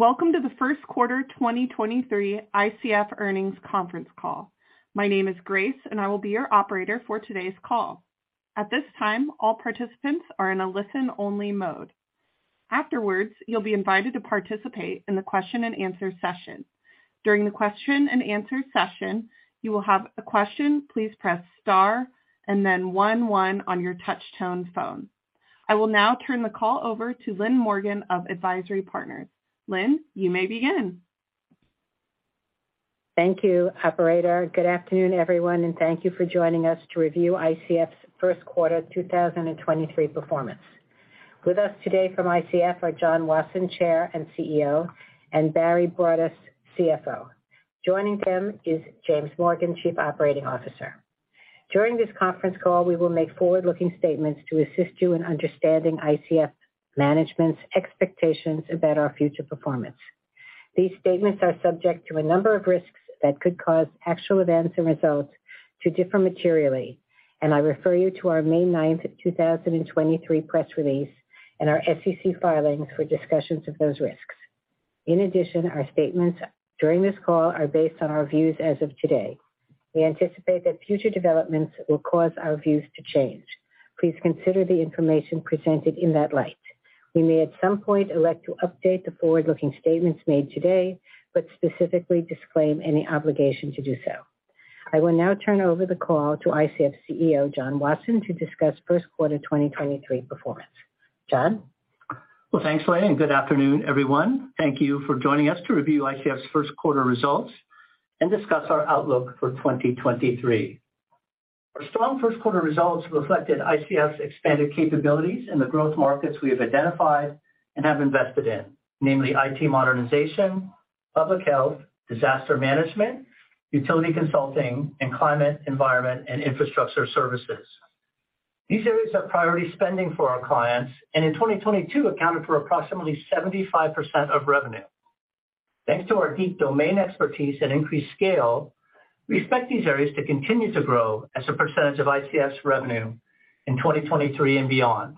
Welcome to the first quarter 2023 ICF earnings conference call. My name is Grace. I will be your operator for today's call. At this time, all participants are in a listen-only mode. Afterwards, you'll be invited to participate in the question-and-answer session. During the question-and-answer session, you will have a question. Please press star and then one one on your touchtone phone. I will now turn the call over to Lynn Morgen of AdvisIRy Partners. Lynn, you may begin. Thank you, operator. Good afternoon, everyone, and thank you for joining us to review ICF's first quarter 2023 performance. With us today from ICF are John Wasson, Chair and CEO, and Barry Broadus, CFO. Joining them is James Morgan, Chief Operating Officer. During this conference call, we will make forward-looking statements to assist you in understanding ICF management's expectations about our future performance. These statements are subject to a number of risks that could cause actual events and results to differ materially. I refer you to our May 9, 2023, press release and our SEC filings for discussions of those risks. In addition, our statements during this call are based on our views as of today. We anticipate that future developments will cause our views to change. Please consider the information presented in that light. We may at some point elect to update the forward-looking statements made today, but specifically disclaim any obligation to do so. I will now turn over the call to ICF CEO, John Wasson, to discuss first quarter 2023 performance. John? Thanks, Lynn. Good afternoon, everyone. Thank you for joining us to review ICF's first quarter results and discuss our outlook for 2023. Our strong first quarter results reflected ICF's expanded capabilities in the growth markets we have identified and have invested in, namely IT modernization, public health, disaster management, utility consulting, and climate, environment, and infrastructure services. These areas are priority spending for our clients, and in 2022, accounted for approximately 75% of revenue. Thanks to our deep domain expertise and increased scale, we expect these areas to continue to grow as a percentage of ICF's revenue in 2023 and beyond.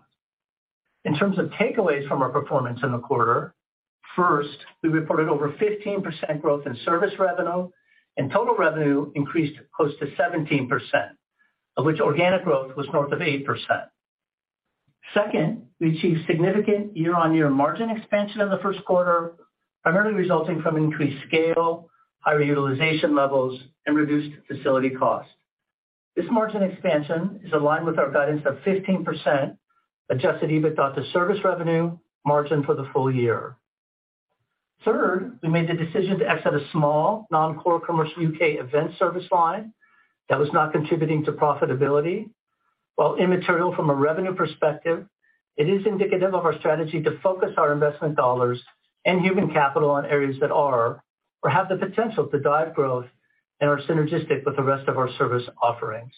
In terms of takeaways from our performance in the quarter, first, we reported over 15% growth in service revenue, and total revenue increased close to 17%, of which organic growth was north of 8%. Second, we achieved significant year-on-year margin expansion in the first quarter, primarily resulting from increased scale, higher utilization levels, and reduced facility costs. This margin expansion is aligned with our guidance of 15% Adjusted EBITDA to service revenue margin for the full year. Third, we made the decision to exit a small non-core commercial U.K. event service line that was not contributing to profitability. While immaterial from a revenue perspective, it is indicative of our strategy to focus our investment dollars and human capital on areas that are or have the potential to drive growth and are synergistic with the rest of our service offerings.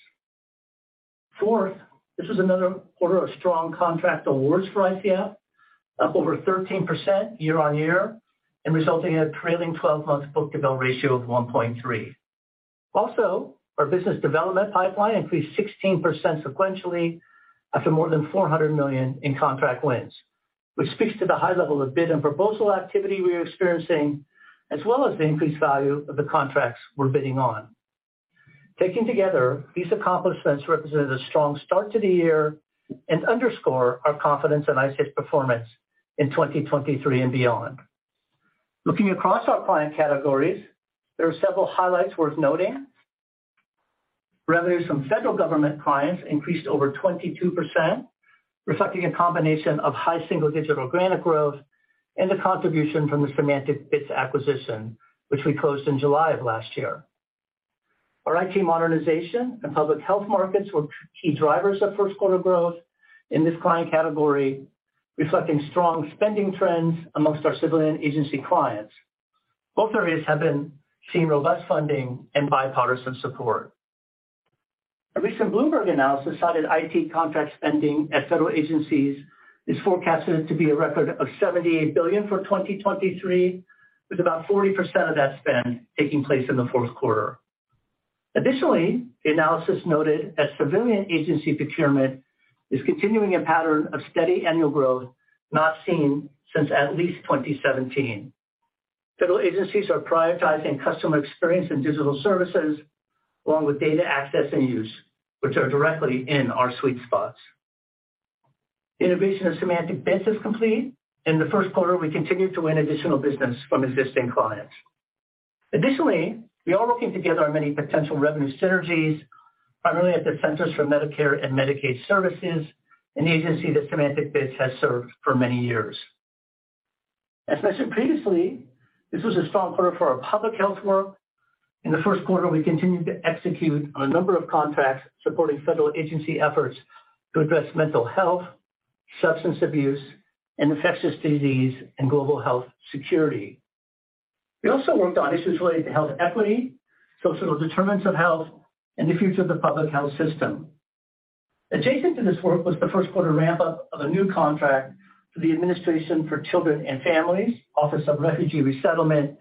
Fourth, this is another quarter of strong contract awards for ICF, up over 13% year-on-year and resulting in a trailing 12-month book-to-bill ratio of 1.3. Our business development pipeline increased 16% sequentially after more than $400 million in contract wins, which speaks to the high level of bid and proposal activity we are experiencing, as well as the increased value of the contracts we're bidding on. Taken together, these accomplishments represent a strong start to the year and underscore our confidence in ICF's performance in 2023 and beyond. Looking across our client categories, there are several highlights worth noting. Revenues from federal government clients increased over 22%, reflecting a combination of high single-digit organic growth and the contribution from the SemanticBits acquisition, which we closed in July of last year. Our IT modernization and public health markets were key drivers of first-quarter growth in this client category, reflecting strong spending trends amongst our civilian agency clients. Both areas have been seeing robust funding and bipartisan support. A recent Bloomberg analysis cited IT contract spending at federal agencies is forecasted to be a record of $78 billion for 2023, with about 40% of that spend taking place in the fourth quarter. The analysis noted that civilian agency procurement is continuing a pattern of steady annual growth not seen since at least 2017. Federal agencies are prioritizing customer experience and digital services along with data access and use, which are directly in our sweet spots. The integration of SemanticBits is complete. In the first quarter, we continued to win additional business from existing clients. We are working together on many potential revenue synergies, primarily at the Centers for Medicare & Medicaid Services, an agency that SemanticBits has served for many years. As mentioned previously, this was a strong quarter for our public health work. In the first quarter, we continued to execute on a number of contracts supporting federal agency efforts to address mental health, substance abuse, infectious disease, and global health security. We also worked on issues related to health equity, social determinants of health, and the future of the public health system. Adjacent to this work was the first quarter ramp-up of a new contract for the Administration for Children and Families, Office of Refugee Resettlement,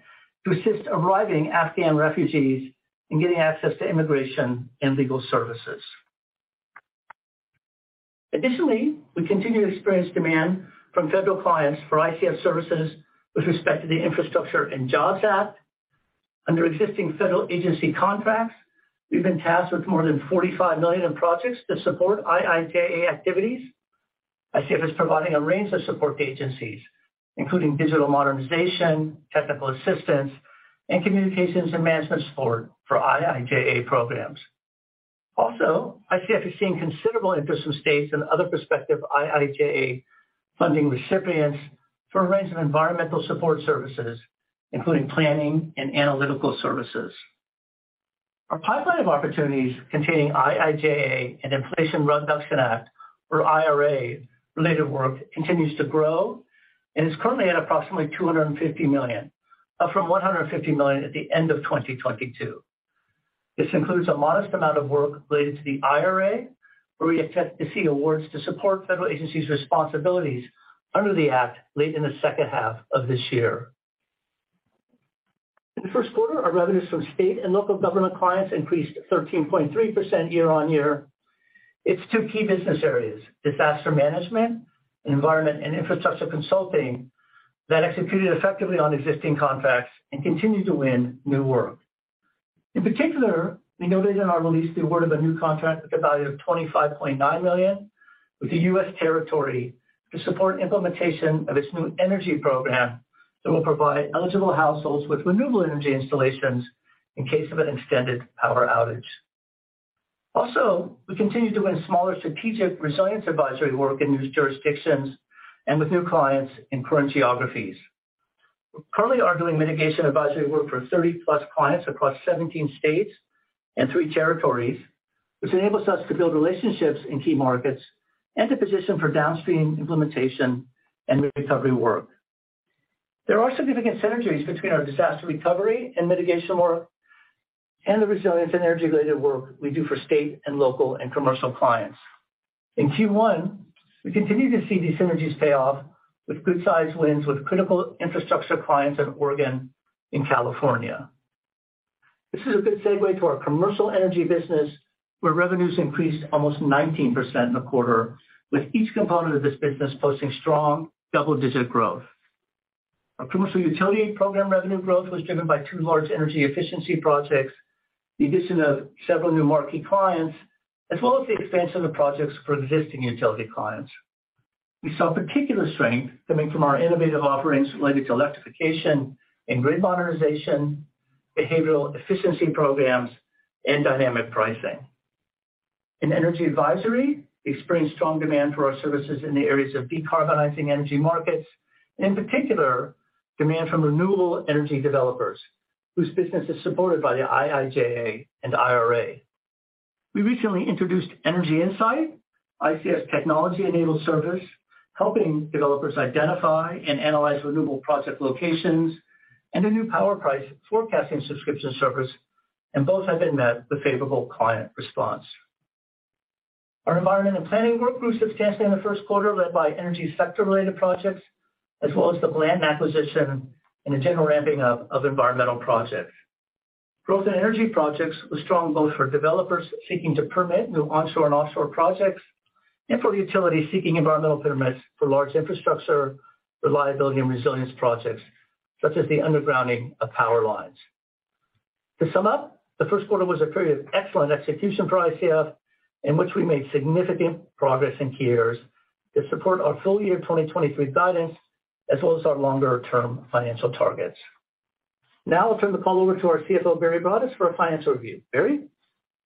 to assist arriving Afghan refugees in getting access to immigration and legal services. We continue to experience demand from federal clients for ICF services with respect to the Infrastructure Investment and Jobs Act. Under existing federal agency contracts, we've been tasked with more than $45 million in projects to support IIJA activities. ICF is providing a range of support agencies, including digital modernization, technical assistance, and communications and management support for IIJA programs. ICF is seeing considerable interest from states and other prospective IIJA funding recipients for a range of environmental support services, including planning and analytical services. Our pipeline of opportunities containing IIJA and Inflation Reduction Act, or IRA-related work, continues to grow and is currently at approximately $250 million, up from $150 million at the end of 2022. This includes a modest amount of work related to the IRA, where we expect to see awards to support federal agencies' responsibilities under the act late in the second half of this year. In the first quarter, our revenues from state and local government clients increased 13.3% year-on-year. It's two key business areas, disaster management, environment, and infrastructure consulting, that executed effectively on existing contracts and continued to win new work. In particular, we noted in our release the award of a new contract with a value of $25.9 million with the U.S. territory to support the implementation of its new energy program that will provide eligible households with renewable energy installations in case of an extended power outage. We continue to win smaller strategic resilience advisory work in these jurisdictions and with new clients in current geographies. We're currently arguing mitigation advisory work for 30-plus clients across 17 states and three territories, which enables us to build relationships in key markets and to position for downstream implementation and recovery work. There are significant synergies between our disaster recovery and mitigation work and the resilience and energy-related work we do for state and local and commercial clients. In Q1, we continue to see these synergies pay off with good-sized wins with critical infrastructure clients in Oregon and California. This is a good segue to our commercial energy business, where revenues increased almost 19% in the quarter, with each component of this business posting strong double-digit growth. Our commercial utility program revenue growth was driven by two large energy efficiency projects, the addition of several new marquee clients, as well as the expansion of projects for existing utility clients. We saw particular strength coming from our innovative offerings related to electrification and grid modernization, behavioral efficiency programs, and dynamic pricing. In energy advisory, we experienced strong demand for our services in the areas of decarbonizing energy markets, and in particular, demand from renewable energy developers whose business is supported by the IIJA and IRA. We recently introduced Energy Insight, ICF's technology-enabled service, helping developers identify and analyze renewable project locations and a new power price forecasting subscription service, and both have been met with favorable client response. Our environment and planning work grew substantially in the first quarter, led by energy sector-related projects, as well as the Blanton acquisition and the general ramping up of environmental projects. Growth in energy projects was strong both for developers seeking to permit new onshore and offshore projects, and for utilities seeking environmental permits for large infrastructure, reliability, and resilience projects, such as the undergrounding of power lines. To sum up, the first quarter was a period of excellent execution for ICF in which we made significant progress in tiers that support our full-year 2023 guidance as well as our longer-term financial targets. Now I'll turn the call over to our CFO, Barry Broadus, for a financial review. Barry?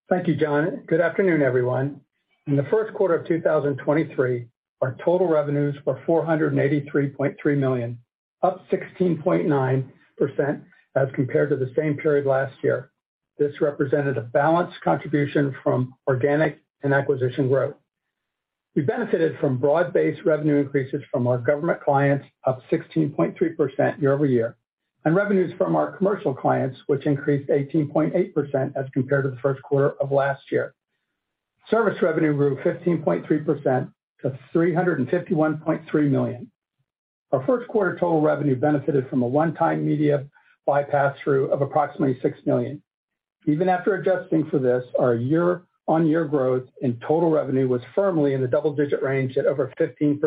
Thank you, John. Good afternoon, everyone. In the first quarter of 2023, our total revenues were $483.3 million, up 16.9% as compared to the same period last year. This represented a balanced contribution from organic and acquisition growth. We benefited from broad-based revenue increases from our government clients, up 16.3% year-over-year, and revenues from our commercial clients, which increased 18.8% as compared to the first quarter of last year. Service revenue grew 15.3% to $351.3 million. Our first quarter total revenue benefited from a one-time media buy pass-through of approximately $6 million. Even after adjusting for this, our year-on-year growth in total revenue was firmly in the double-digit range at over 15%.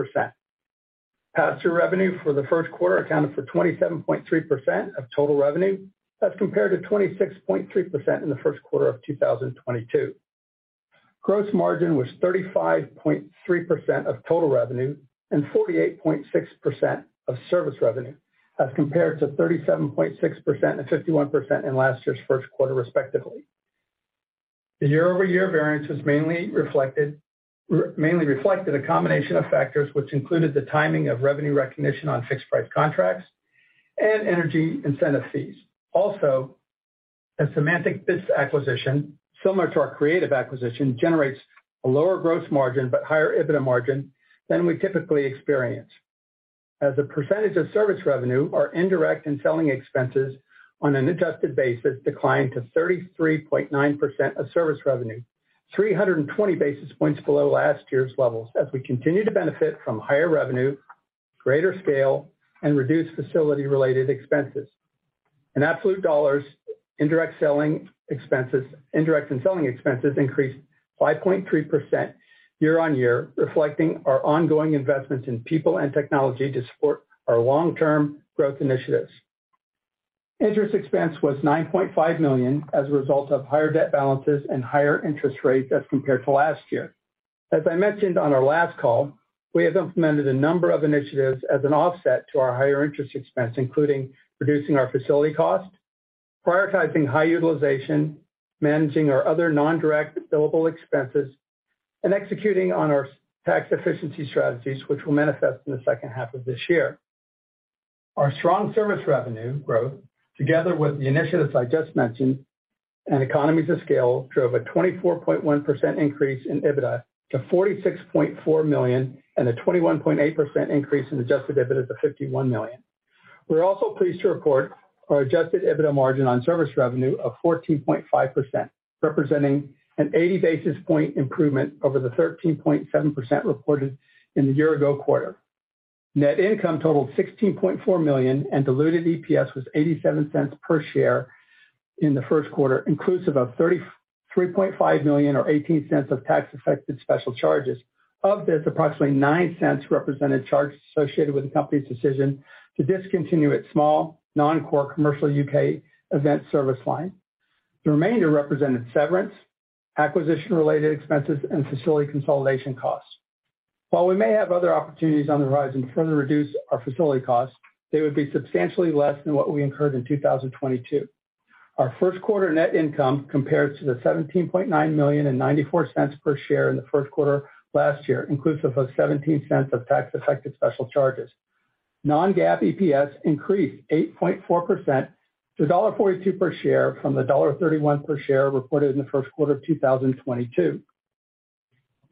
Pass-through revenue for the first quarter accounted for 27.3% of total revenue, as compared to 26.3% in the first quarter of 2022. Gross margin was 35.3% of total revenue and 48.6% of service revenue, as compared to 37.6% and 51% in last year's first quarter, respectively. The year-over-year variance has mainly reflected a combination of factors, which included the timing of revenue recognition on fixed price contracts and energy incentive fees. The SemanticBits acquisition, similar to our Creative acquisition, generates a lower gross margin but higher EBITDA margin than we typically experience. As a percentage of service revenue, our indirect and selling expenses on an adjusted basis declined to 33.9% of service revenue, 320 basis points below last year's levels as we continue to benefit from higher revenue, greater scale, and reduced facility-related expenses. In absolute dollars, indirect and selling expenses increased 5.3% year-over-year, reflecting our ongoing investments in people and technology to support our long-term growth initiatives. Interest expense was $9.5 million as a result of higher debt balances and higher interest rates as compared to last year. As I mentioned on our last call, we have implemented a number of initiatives as an offset to our higher interest expense, including reducing our facility costs, prioritizing high utilization, managing our other non-direct billable expenses, and executing on our tax efficiency strategies, which will manifest in the second half of this year. Our strong service revenue growth, together with the initiatives I just mentioned and economies of scale, drove a 24.1% increase in EBITDA to $46.4 million and a 21.8% increase in Adjusted EBITDA to $51 million. We're also pleased to report our Adjusted EBITDA margin on service revenue of 14.5%, representing an 80 basis point improvement over the 13.7% reported in the year ago quarter. Net income totaled $16.4 million. Diluted EPS was $0.87 per share in the first quarter, inclusive of $33.5 million or $0.18 of tax-affected special charges. Of this, approximately $0.09 represented charges associated with the company's decision to discontinue its small non-core commercial UK event service line. The remainder represented severance, acquisition-related expenses, and facility consolidation costs. While we may have other opportunities on the horizon to further reduce our facility costs, they would be substantially less than what we incurred in 2022. Our first quarter net income compares to the $17.9 million and $0.94 per share in the first quarter last year, inclusive of $0.17 of tax-affected special charges. Non-GAAP EPS increased 8.4% to $1.42 per share from the $1.31 per share reported in the first quarter of 2022.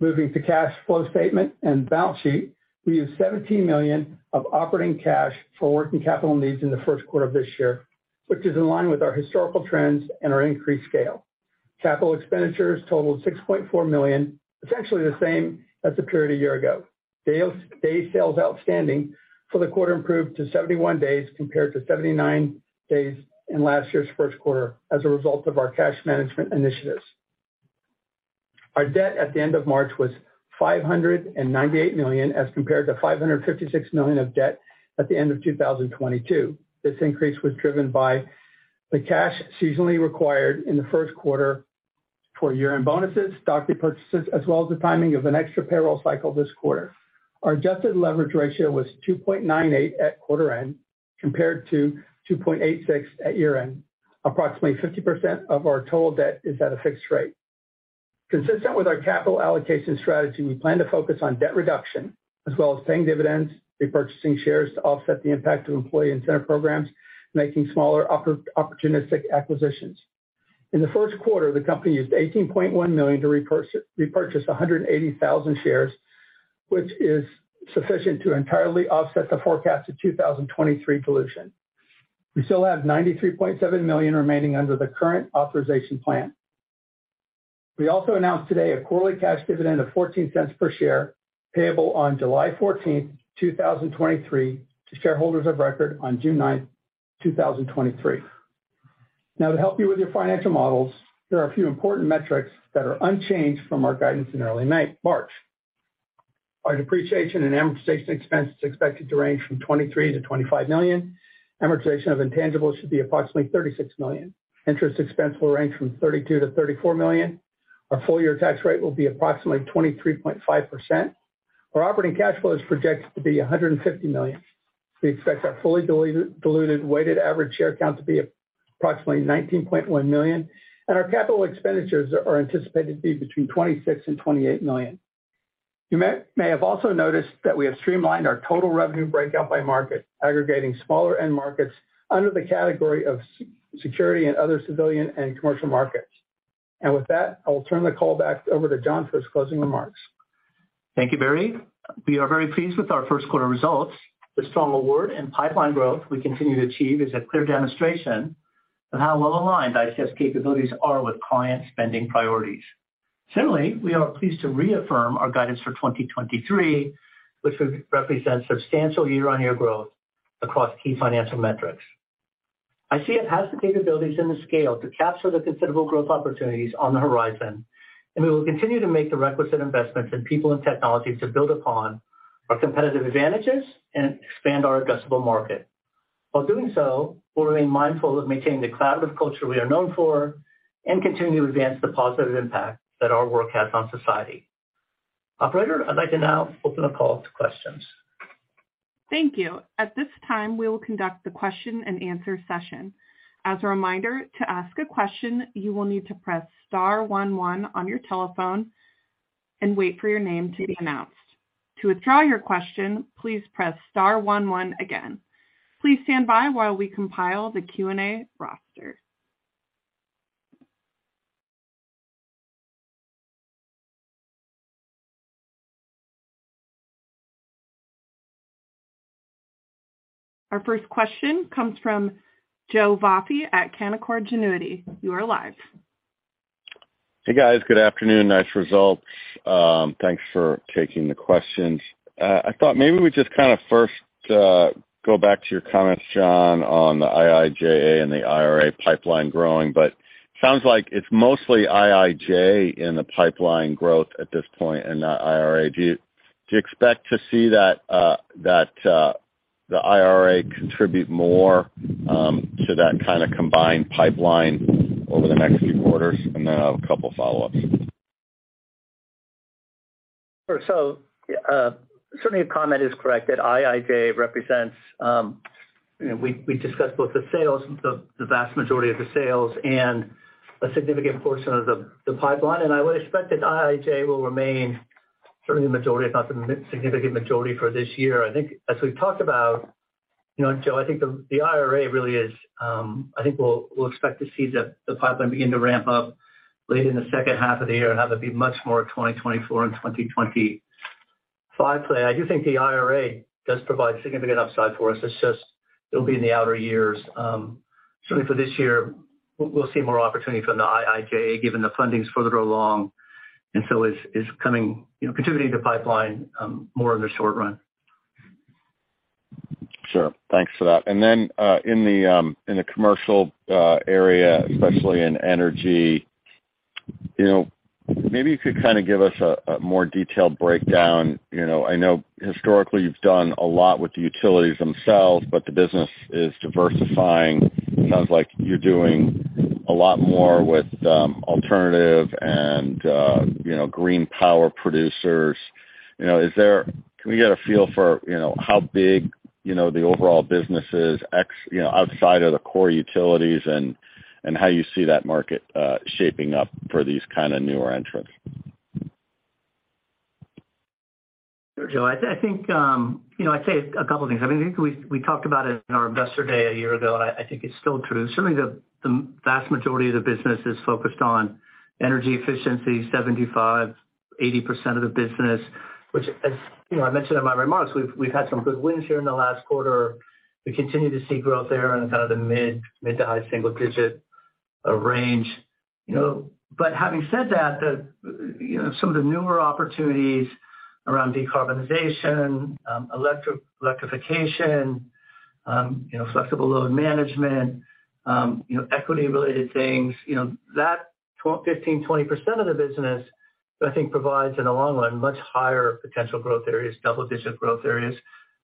Moving to the cash flow statement and the balance sheet. We used $17 million of operating cash for working capital needs in the first quarter of this year, which is in line with our historical trends and our increased scale. Capital expenditures totaled $6.4 million, essentially the same as the period a year ago. Days sales outstanding for the quarter improved to 71 days compared to 79 days in last year's first quarter as a result of our cash management initiatives. Our debt at the end of March was $598 million, as compared to $556 million of debt at the end of 2022. This increase was driven by the cash seasonally required in the first quarter for year-end bonuses, stock repurchases, as well as the timing of an extra payroll cycle this quarter. Our adjusted leverage ratio was 2.98 at quarter end, compared to 2.86 at year-end. Approximately 50% of our total debt is at a fixed rate. Consistent with our capital allocation strategy, we plan to focus on debt reduction as well as paying dividends, repurchasing shares to offset the impact of employee incentive programs, and making smaller opportunistic acquisitions. In the first quarter, the company used $18.1 million to repurchase 180,000 shares, which is sufficient to entirely offset the forecast of 2023 dilution. We still have $93.7 million remaining under the current authorization plan. We also announced today a quarterly cash dividend of $0.14 per share, payable on July 14, 2023, to shareholders of record on June 9, 2023. Now, to help you with your financial models, there are a few important metrics that are unchanged from our guidance in early March. Our depreciation and amortization expense is expected to range from $23 million-$25 million. Amortization of intangibles should be approximately $36 million. Interest expense will range from $32 million-$34 million. Our full-year tax rate will be approximately 23.5%. Our operating cash flow is projected to be $150 million. We expect our fully diluted weighted average share count to be approximately 19.1 million, and our capital expenditures are anticipated to be between $26 million and $28 million. You may have also noticed that we have streamlined our total revenue breakout by market, aggregating smaller end markets under the category of security and other civilian and commercial markets. With that, I will turn the call back over to John for his closing remarks. Thank you, Barry. We are very pleased with our first quarter results. The strong award and pipeline growth we continue to achieve are a clear demonstration of how well aligned ICF's capabilities are with client spending priorities. We are pleased to reaffirm our guidance for 2023, which represents substantial year-on-year growth across key financial metrics. ICF has the capabilities and the scale to capture the considerable growth opportunities on the horizon. We will continue to make the requisite investments in people and technologies to build upon our competitive advantages and expand our addressable market. While doing so, we'll remain mindful of maintaining the collaborative culture we are known for and continue to advance the positive impact that our work has on society. Operator, I'd like to now open the call to questions. Thank you. At this time, we will conduct the question-and-answer session. As a reminder, to ask a question, you will need to press star one one on your telephone and wait for your name to be announced. To withdraw your question, please press star one one again. Please stand by while we compile the Q&A roster. Our first question comes from Joe Vafi at Canaccord Genuity. You are alive. Hey guys, good afternoon. Nice results. Thanks for taking the questions. I thought maybe we just kinda first go back to your comments, John Wasson, on the IIJA and the IRA pipeline growing, but sounds like it's mostly IIJA in the pipeline growth at this point and not IRA. Do you expect to see that the IRA contribute more to that kinda combined pipeline over the next few quarters? Then I have a couple follow-ups. Sure. Certainly your comment is correct that IIJA represents, you know, we discussed both the sales, the vast majority of the sales and a significant portion of the pipeline. I would expect that IIJA will remain certainly the majority, if not the significant majority for this year. I think as we've talked about, you know, Joe, I think the IRA really is. I think we'll expect to see the pipeline begin to ramp up late in the second half of the year and have it be much more 2024 and 2025 play. I do think the IRA does provide significant upside for us. It's just it'll be in the outer years. Certainly for this year we'll see more opportunity from the IIJA given the funding's further along, and so is coming, you know, contributing to the pipeline, more in the short run. Sure. Thanks for that. In the commercial area, especially in energy, you know, maybe you could kinda give us a more detailed breakdown. You know, I know historically you've done a lot with the utilities themselves, but the business is diversifying. Sounds like you're doing a lot more with alternative and, you know, green power producers. You know, Can we get a feel for, you know, how big, you know, the overall business is, you know, outside of the core utilities and how you see that market shaping up for these kinda newer entrants? Sure, Joe. I think, you know, I'd say a couple of things. I mean, I think we talked about it in our Investor Day a year ago, and I think it's still true. Certainly, the vast majority of the business is focused on energy efficiency, 75%-80% of the business, which as, you know, I mentioned in my remarks, we've had some good wins here in the last quarter. We continue to see growth there in kind of the mid to high single-digit range, you know. Having said that, you know, some of the newer opportunities around decarbonization, electrification, flexible load management, equity-related things, you know, that 15%-20% of the business, I think, provides in the long run much higher potential growth areas, double-digit growth areas.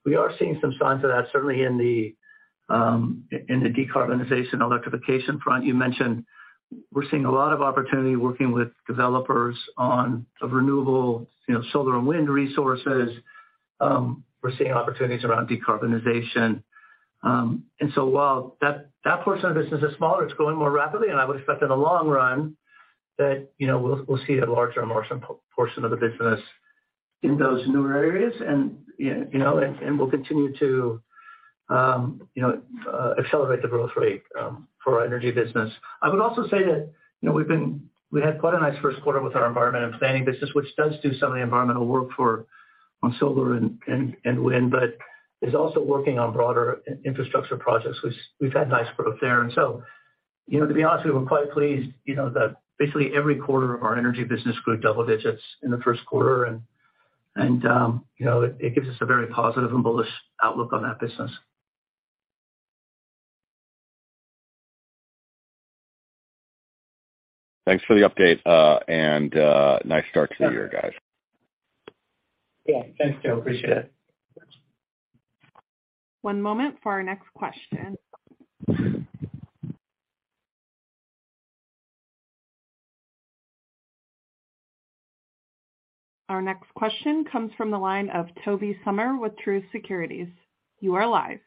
We are seeing some signs of that certainly in the decarbonization/electrification front you mentioned. We're seeing a lot of opportunity working with developers on the renewable, you know, solar and wind resources. We're seeing opportunities around decarbonization. While that portion of the business is smaller, it's growing more rapidly, and I would expect in the long run that, you know, we'll see a larger and more portion of the business in those newer areas and, you know, we'll continue to accelerate the growth rate for our energy business. I would also say that, you know, we had quite a nice first quarter with our environment and planning business, which does do some of the environmental work for, on solar and wind, but is also working on broader infrastructure projects. We've had nice growth there. You know, to be honest with you, we're quite pleased, you know, that basically every quarter of our energy business grew double digits in the first quarter and, you know, it gives us a very positive and bullish outlook on that business. Thanks for the update, and nice start to the year, guys. Yeah. Thanks, Joe. Appreciate it. One moment for our next question. Our next question comes from the line of Tobey Sommer with Truist Securities. You are alive.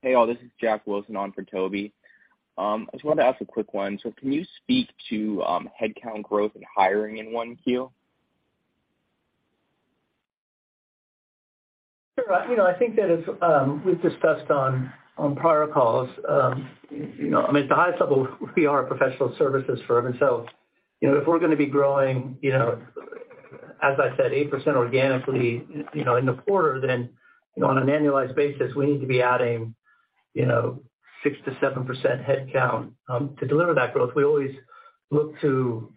Hey, all. This is Jack Wilson on for Toby. I just wanted to ask a quick one. Can you speak to headcount growth and hiring in 1Q? Sure. You know, I think that as we've discussed on prior calls, I mean, at the highest level, we are a professional services firm. If we're gonna be growing, as I said, 8% organically, in the quarter, then, on an annualized basis, we need to be adding, 6%-7% headcount, to deliver that growth. We always look to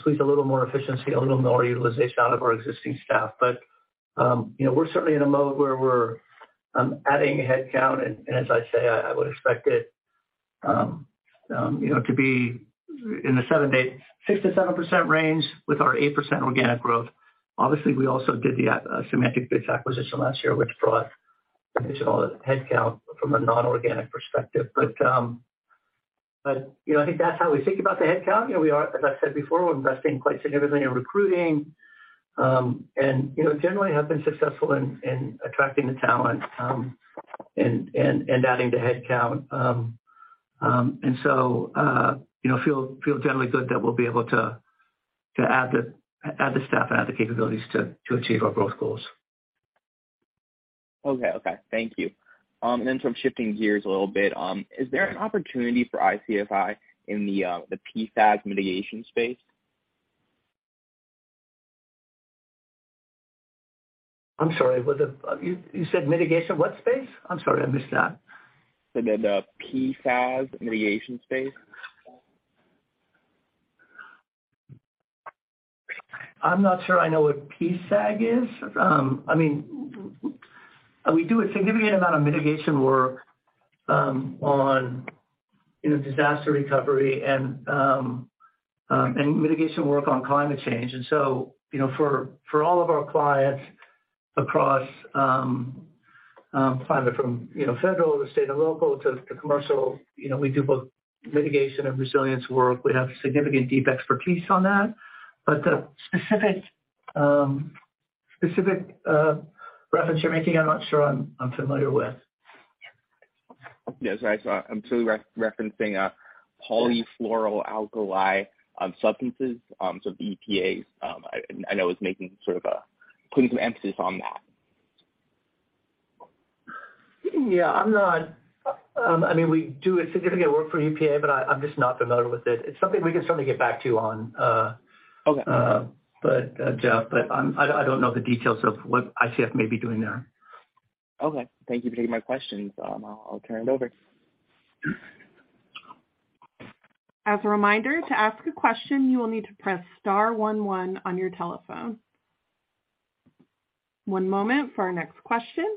squeeze a little more efficiency, a little more utilization out of our existing staff. We're certainly in a mode where we're adding headcount. As I say, I would expect it to be in the 6%-7% range with our 8% organic growth. Obviously, we also did the SemanticBits acquisition last year, which brought additional headcount from a non-organic perspective. I think that's how we think about the headcount. You know, we are, as I said before, we're investing quite significantly in recruiting, and, you know, generally have been successful in attracting the talent, and adding the headcount. You know, feel generally good that we'll be able to add the staff and add the capabilities to achieve our growth goals. Okay. Okay. Thank you. I'm shifting gears a little bit. Is there an opportunity for ICFI in the PFAS mitigation space? I'm sorry, You said mitigation what space? I'm sorry, I missed that. I said, PFAS mitigation space. I'm not sure I know what PFAS is. I mean, we do a significant amount of mitigation work on, you know, disaster recovery and mitigation work on climate change. You know, for all of our clients across, kind of from, you know, federal to state or local to commercial, you know, we do both mitigation and resilience work. We have significant deep expertise on that. The specific reference you're making, I'm not sure I'm familiar with. Yeah. Sorry. I'm simply referencing polyfluoroalkyl substances, the EPA. I know it's making sort of putting some emphasis on that. Yeah, I'm not... I mean, we do significant work for EPA, but I'm just not familiar with it. It's something we can certainly get back to you on. Okay. Jeff, I don't know the details of what ICF may be doing there. Okay. Thank you for taking my questions. I'll turn it over. As a reminder, to ask a question, you will need to press star one one on your telephone. One moment for our next question.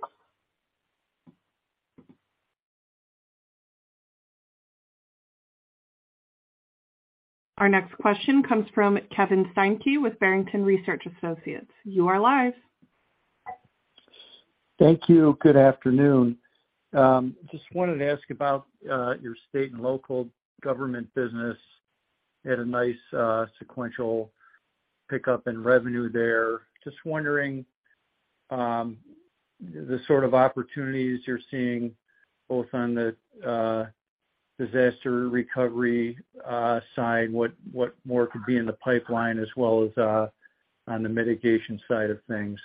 Our next question comes from Kevin Steinke with Barrington Research Associates. You are live. Thank you. Good afternoon. Just wanted to ask about your state and local government business. You had a nice sequential pickup in revenue there. Just wondering the sort of opportunities you're seeing both on the disaster recovery side, what more could be in the pipeline as well as on the mitigation side of things.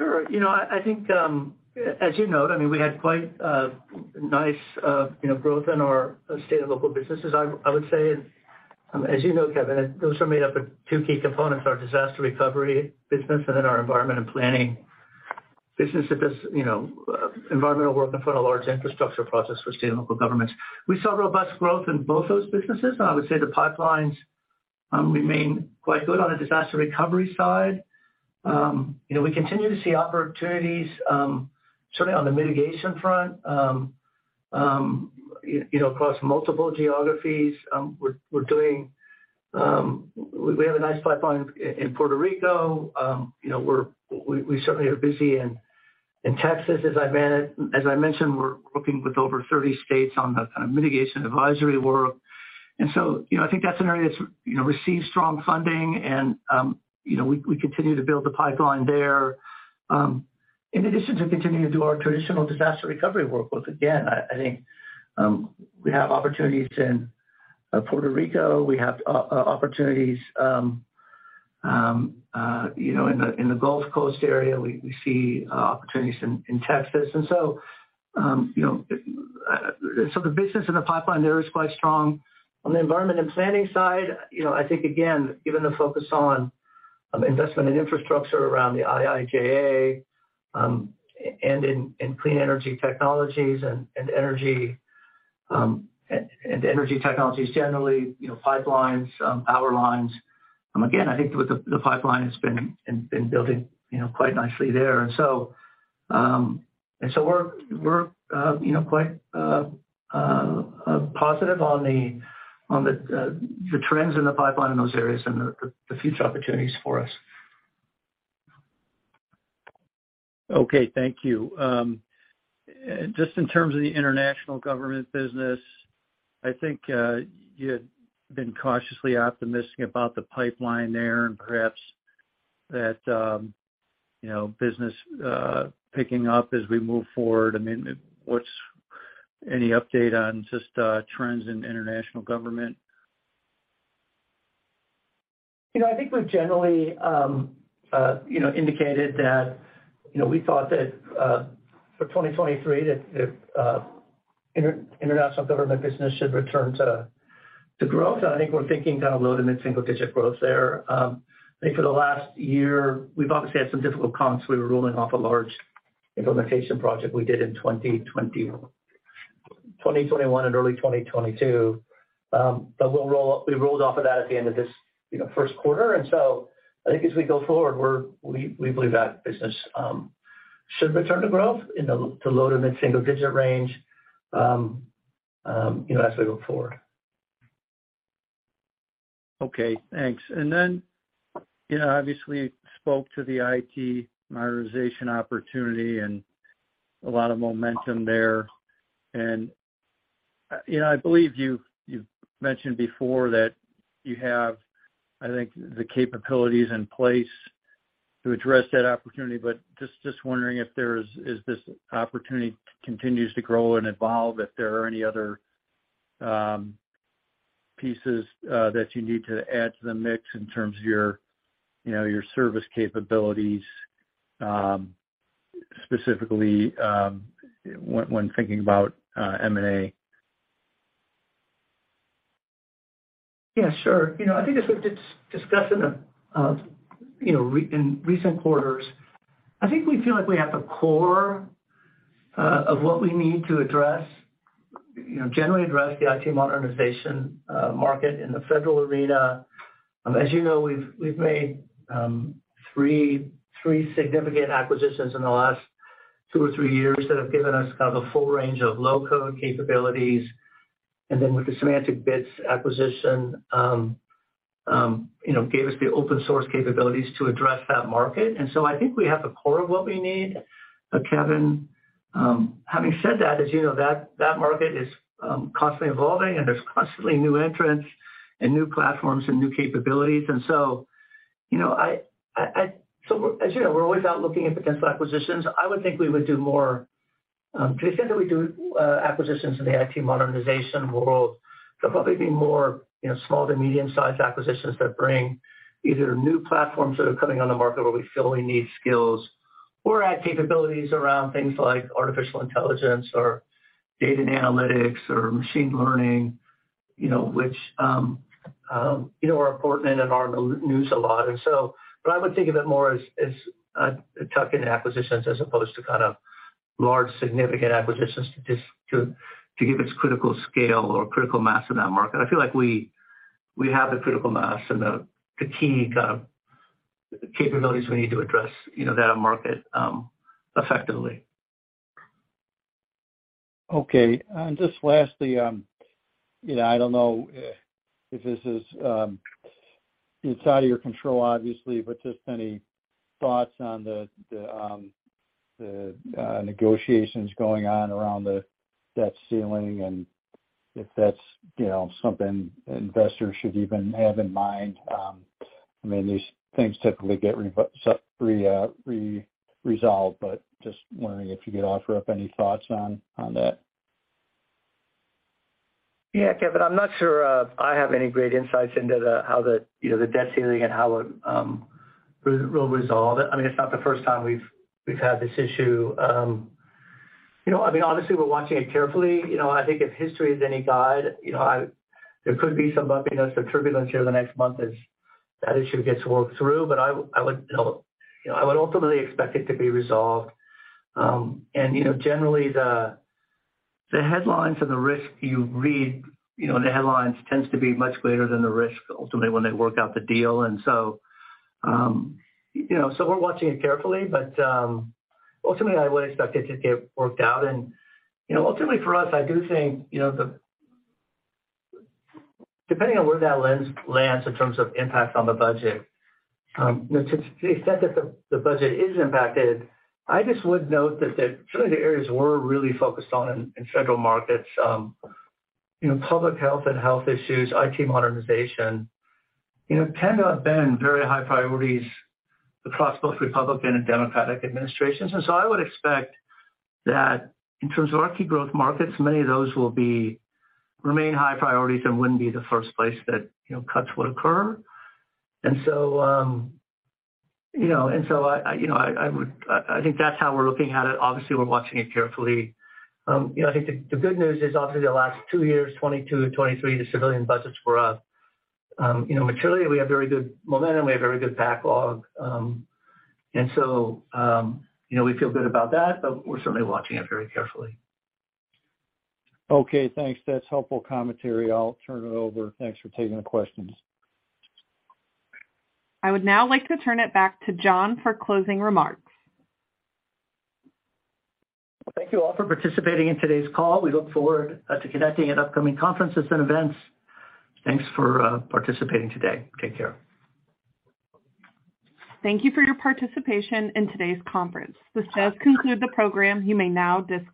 Sure. You know, I think, as you note, I mean, we had quite nice, you know, growth in our state and local businesses. I would say, as you know, Kevin, those are made up of two key components, our disaster recovery business and then our environment and planning business. If there's environmental work in front of large infrastructure process for state and local governments. We saw robust growth in both those businesses. I would say the pipelines remain quite good on the disaster recovery side. You know, we continue to see opportunities, certainly on the mitigation front, you know, across multiple geographies. We're doing. We have a nice pipeline in Puerto Rico. You know, we certainly are busy in Texas. As I mentioned, we're working with over 30 states on the kind of mitigation advisory work. You know, I think that's an area that's, you know, received strong funding and, you know, we continue to build the pipeline there. In addition to continuing to do our traditional disaster recovery workloads, again, I think, we have opportunities in Puerto Rico. We have opportunities, you know, in the Gulf Coast area. We see opportunities in Texas. You know, so the business in the pipeline there is quite strong. On the environment and planning side, you know, I think again, given the focus on investment in infrastructure around the IIJA, and clean energy technologies and energy, and energy technologies generally, you know, pipelines, power lines. I think with the pipeline has been building, you know, quite nicely there. We're, you know, quite positive on the trends in the pipeline in those areas and the future opportunities for us. Thank you. Just in terms of the international government business, I think you had been cautiously optimistic about the pipeline there and perhaps that, you know, business picking up as we move forward. I mean, what's any update on just trends in international government? You know, I think we've generally, you know, indicated that, you know, we thought that, for 2023, that international government business should return to growth. I think we're thinking kind of low to mid-single digit growth there. I think for the last year, we've obviously had some difficult comps. We were rolling off a large implementation project we did in 2021 and early 2022. We rolled off of that at the end of this, you know, first quarter. I think as we go forward, we believe that business should return to growth in the low to mid-single digit range, you know, as we go forward. Okay, thanks. Then, you know, obviously spoke to the IT modernization opportunity and a lot of momentum there. You know, I believe you've mentioned before that you have, I think, the capabilities in place to address that opportunity, but just wondering as this opportunity continues to grow and evolve, if there are any other pieces that you need to add to the mix in terms of your, you know, your service capabilities, specifically when thinking about M&A? Yeah, sure. You know, I think as we've discussed in the, you know, in recent quarters, I think we feel like we have the core of what we need to address, you know, generally address the IT modernization market in the federal arena. As you know, we've made three significant acquisitions in the last two or three years that have given us kind of a full range of low-code capabilities. With the SemanticBits acquisition, you know, gave us the open source capabilities to address that market. I think we have the core of what we need, Kevin. Having said that, as you know, that market is constantly evolving, and there's constantly new entrants and new platforms and new capabilities. You know, I, as you know, we're always out looking at potential acquisitions. I would think we would do more to the extent that we do acquisitions in the IT modernization world, they'll probably be more, you know, small to medium-sized acquisitions that bring either new platforms that are coming on the market where we feel we need skills or add capabilities around things like artificial intelligence or data and analytics or machine learning, you know, which, you know, are important and are in the news a lot. I would think of it more as tuck-in acquisitions as opposed to kind of large significant acquisitions to just to give its critical scale or critical mass in that market. I feel like we have the critical mass and the key kind of capabilities we need to address, you know, that market effectively. Okay. Just lastly, you know, I don't know if this is, it's out of your control obviously, but just any thoughts on the negotiations going on around the debt ceiling and if that's, you know, something investors should even have in mind. I mean, these things typically get resolved, but just wondering if you could offer up any thoughts on that. Yeah, Kevin, I'm not sure I have any great insights into how the, you know, the debt ceiling and how it will resolve it. I mean, it's not the first time we've had this issue. You know, I mean, obviously, we're watching it carefully. You know, I think if history is any guide, you know, there could be some bumpiness or turbulence here in the next month as that issue gets worked through. I would, you know, you know, I would ultimately expect it to be resolved. Generally, the headlines and the risk you read, you know, in the headlines tends to be much greater than the risk ultimately when they work out the deal. We're watching it carefully. Ultimately, I would expect it to get worked out. You know, ultimately for us, I do think, you know, the Depending on where that lens lands in terms of impact on the budget, to the extent that the budget is impacted, I just would note that some of the areas we're really focused on in federal markets, you know, public health and health issues, IT modernization, you know, tend to have been very high priorities across both Republican and Democratic administrations. I would expect that in terms of our key growth markets, many of those will be remain high priorities and wouldn't be the first place that, you know, cuts would occur. You know, and so I think that's how we're looking at it. Obviously, we're watching it carefully. You know, I think the good news is obviously the last two years, 2022 and 2023, the civilian budgets for us, you know, materially we have very good momentum. We have very good backlog. You know, we feel good about that, but we're certainly watching it very carefully. Okay, thanks. That's helpful commentary. I'll turn it over. Thanks for taking the questions. I would now like to turn it back to John for closing remarks. Thank you all for participating in today's call. We look forward to connecting at upcoming conferences and events. Thanks for participating today. Take care. Thank you for your participation in today's conference. This does conclude the program. You may now disconnect.